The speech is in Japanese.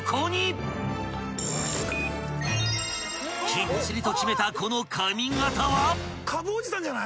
［きっちりと決めたこの髪形は⁉］